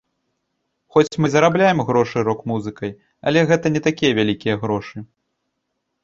Хоць мы і зарабляем грошы рок-музыкай, але гэта не такія вялікія грошы.